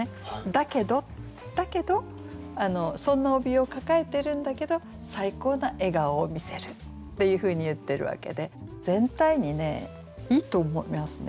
だけどだけどそんなおびえを抱えてるんだけど「最高な笑顔を見せる」っていうふうに言ってるわけで全体にねいいと思いますね。